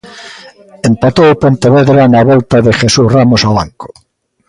Empatou o Pontevedra na volta de Jesús Ramos ao banco.